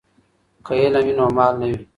که علم وي نو مال نه وي.